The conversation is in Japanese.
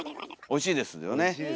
おいしいですよね。